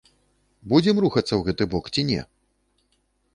Будзем рухацца ў гэты бок ці не?